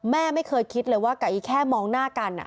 แม่ไม่เคยคิดเลยว่ากับอีแค่มองหน้ากัน